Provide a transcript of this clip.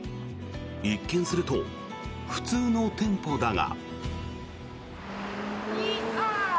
一見すると、普通の店舗だが。